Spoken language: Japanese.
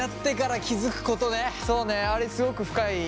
そうねあれすごく深い。